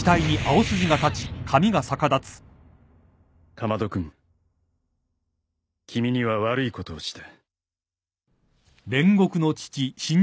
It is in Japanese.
「竈門君君には悪いことをした」